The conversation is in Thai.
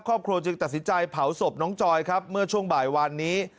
ครอบครัวจึงตัดสินใจเผาศพน้องจอยครับเมื่อช่วงบ่ายวานนี้